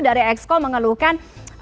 dari exco mengeluhkan